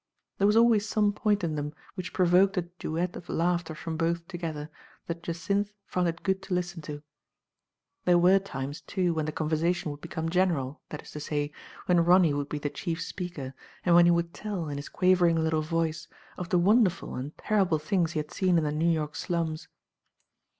There was always some point in them which provoked a duet of laughter from both together, that Jacynth found it good to listen to. There were times, too, when the conversation would become general, that is to say, when Ronny would be the 'chief speaker, and when he would tell, in his quavering little voice, of the wonderful and terrible things he had seen in the New York slums.